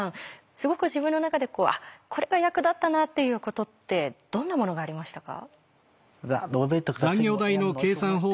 すごく自分の中でこれが役立ったなっていうことってどんなものがありましたか？